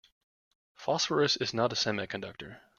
Phosphorus is not a semiconductor.